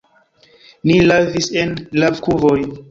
Ni lavis en lavkuvoj.